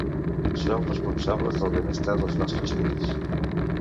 Som responsables del benestar dels nostres fills.